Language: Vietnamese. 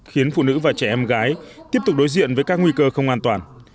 khiến phụ nữ và trẻ em gái tiếp tục đối diện với các nguy cơ không an toàn